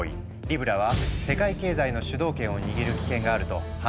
リブラは世界経済の主導権を握る危険があると判断されたんだ。